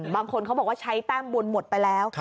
บางคนเขาบอกว่าใช้แต้มบุญหมดไปแล้ว